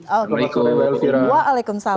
assalamu'alaikum wa'alaikum salam